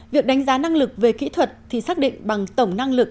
việc đánh giá năng lực về kỹ thuật thì xác định bằng tổng năng lực